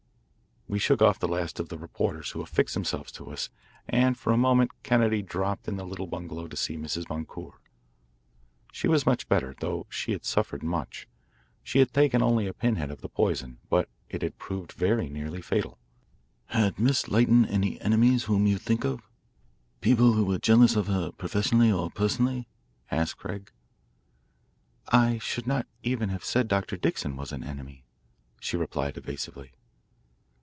We shook off the last of the reporters who affixed themselves to us, and for a moment Kennedy dropped in at the little bungalow to see Mrs. Boncour. She was much better, though she had suffered much. She had taken only a pinhead of the poison, but it had proved very nearly fatal. "Had Miss Lytton any enemies whom you think of, people who were jealous of her professionally or personally?" asked Craig. "I should not even have said Dr. Dixon was an enemy," she replied evasively.